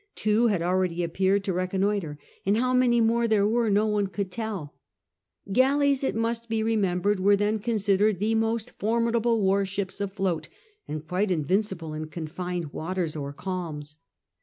Two had already appeared to reconnoitre, and how many more there were no one could telL Galleys, it must be remembered, were then considered the most formidable warships afloat, and quite invincible in confined waters or calms.